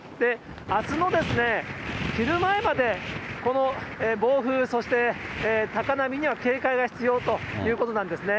あすの昼前までこの暴風、そして高波には警戒が必要ということなんですね。